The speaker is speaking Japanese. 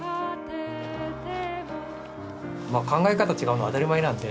考え方違うの当たり前なんで。